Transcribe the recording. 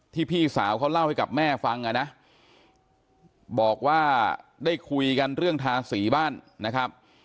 พี่สาวเขาเล่าให้กับแม่ฟังอ่ะนะบอกว่าได้คุยกันเรื่องทาสีบ้านนะครับ